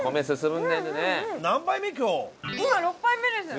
今６杯目です。